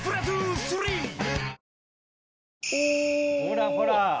ほらほら。